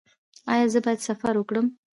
ایا زه باید سفر وکړم؟